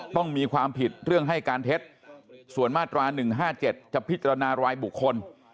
ต้องมีความผิดเรื่องให้การเท็จส่วนมาตรา๑๕๗จะพิจารณารายบุคคล